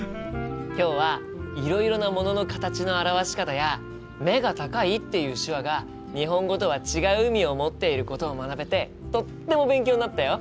今日はいろいろなものの形の表し方や「目が高い」っていう手話が日本語とは違う意味を持っていることを学べてとっても勉強になったよ！